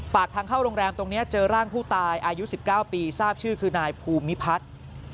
ปากทางเข้าโรงแรมตรงนี้เจอร่างผู้ตายอายุ๑๙ปีทราบชื่อคือนายภูมิพัฒน์